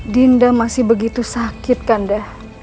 dinda masih begitu sakit kanda